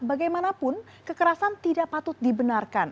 bagaimanapun kekerasan tidak patut dibenarkan